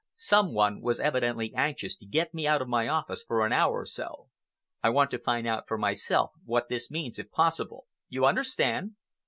Some one was evidently anxious to get me out of my office for an hour or so. I want to find out for myself what this means, if possible. You understand?"